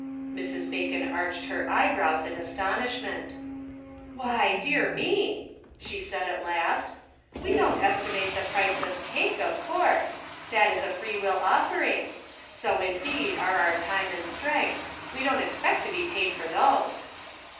Mrs. Bacon arched her eyebrows in aston ishment. " Why, dear me !" she said at last, " we don't estimate the price of cake, of course ; that is a freewill offering ; so, indeed, are our time and strength; we don't expect to be paid for those."